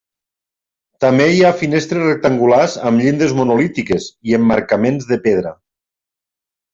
També hi ha finestres rectangulars amb llindes monolítiques i emmarcaments de pedra.